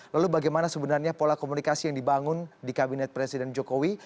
lalu bagaimana sebenarnya pola komunikasi yang dibangun di kabinet presiden jokowi